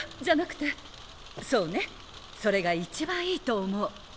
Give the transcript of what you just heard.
じゃなくてそうねそれが一番いいと思う。